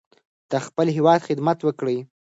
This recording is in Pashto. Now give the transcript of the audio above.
د خپل هیواد خدمت وکړئ.